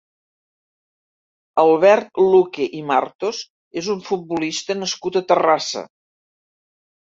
Albert Luque i Martos és un futbolista nascut a Terrassa.